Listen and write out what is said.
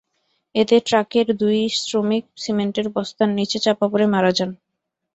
এতে ট্রাকের দুই শ্রমিক সিমেন্টের বস্তার নিচে চাপা পড়ে মারা যান।